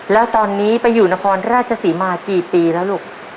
แล้วตอนนี้ไปอยู่นครราชศรีมากี่ปีแล้วลูก